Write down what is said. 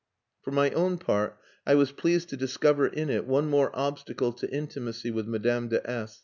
For my own part, I was pleased to discover in it one more obstacle to intimacy with Madame de S